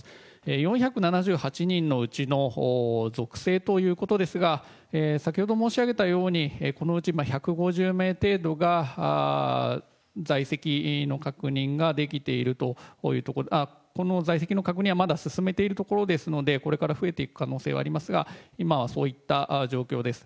４７８人のうちの属性ということですが、先ほど申し上げたように、このうち１５０名程度が在籍の確認ができているというところで、この在籍の確認はまだ進めているところですので、これから増えていく可能性はありますが、今はそういった状況です。